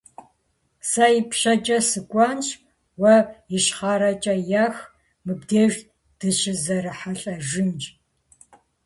Сэ ипщэкӀэ сыкӀуэнщ, уэ ищхъэрэкӀэ ех, мыбдеж дыщызэрихьэлӀэжынщ.